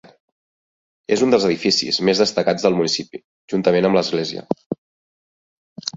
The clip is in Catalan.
És un dels edificis més destacats del municipi juntament amb l'església.